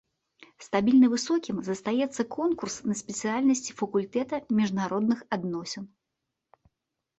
Стабільна высокім застаецца конкурс на спецыяльнасці факультэта міжнародных адносін.